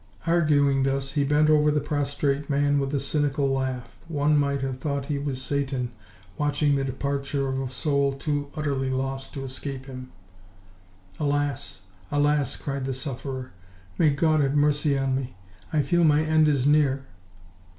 Arguing thus, he bent over the prostrate man with a cynical laugh: one might have thought he was Satan watching the departure of a soul too utterly lost to escape him. "Alas! alas!" cried the sufferer; "may God have mercy on me! I feel my end is near."